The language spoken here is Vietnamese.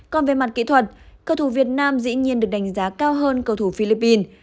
còn về mặt kỹ thuật cầu thủ việt nam dĩ nhiên được đánh giá cao hơn cầu thủ philippines